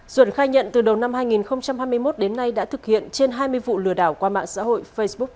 duẩn khai nhận từ đầu năm hai nghìn hai mươi một đến nay đã thực hiện trên hai mươi vụ lừa đảo qua mạng xã hội facebook